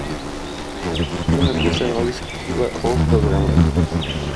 Es una pieza no descriptiva o programática.